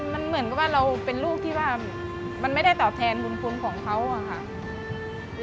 มันเหมือนกับว่าเราเป็นลูกที่ว่ามันไม่ได้ตอบแทนบุญคุณของเขาอะค่ะ